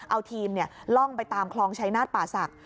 เอาทีมล่องไปตามคลองชายนาฏป่าศักดิ